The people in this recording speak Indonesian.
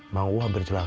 mang u hampir celaka